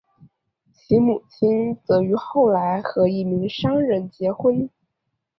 其母亲则于后来和一名商人结婚。